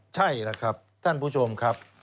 ใช่ล่ะครับท่านผู้ชมครับ